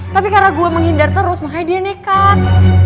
tapi karena gue menghindar terus makanya dia nekat